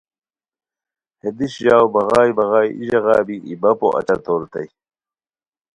ہے دیش ژاؤ بغائے بغائے ای ژاغا بی ای بپو اچہ توریتائے